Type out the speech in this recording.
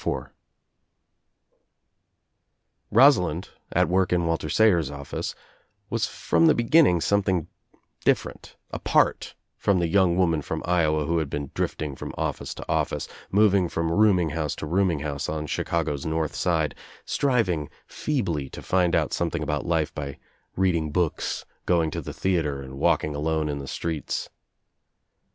t I OUT OF NOWHERE INTO NOTHING 21 IV Rosalind at work in Walter Sayers' ofEcc was from the beginning something different, apart from the young woman from Iowa who had been drifting from office to office, moving from rooming house to room ing house on Chicago's North Side, striving feebly to find out something about life by reading books, going to the theatre and walking alone in the streets.